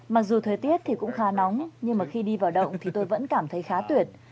mặc dù thời tiết thì cũng khá nóng nhưng mà khi đi vào động thì tôi vẫn cảm thấy khá tuyệt